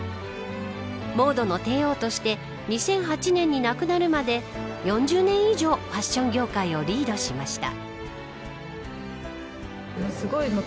モードの帝王として２００８年に亡くなるまで４０年以上ファション業界をリードしました。